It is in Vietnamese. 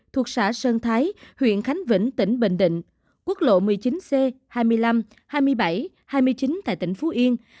thuộc xã sơn thái huyện khánh vĩnh tỉnh bình định quốc lộ một mươi chín c hai mươi năm hai mươi bảy hai mươi chín tại tỉnh phú yên